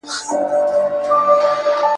کښتۍ سورۍ څښتن ګمراه دی په توپان اعتبار نسته !.